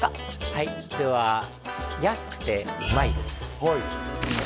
はいでは安くてうまいですはい